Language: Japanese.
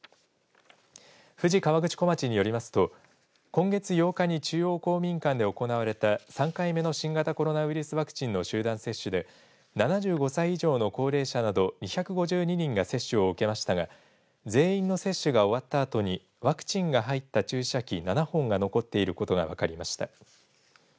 富士河口湖町によりますと今月８日に中央公民館で行われた３回目の新型コロナウイルスワクチンの集団接種で７５歳以上の高齢者など２５２人が接種を受けましたが全員の接種が終わったあとにワクチンが入った注射器７本が残っていることが分かりました。